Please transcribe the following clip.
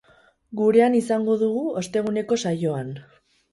Gurean izango dugu osteguneko saioan.